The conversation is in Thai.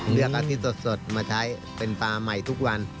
อาทิตย์สดมาใช้เป็นปลาใหม่ทุกวัน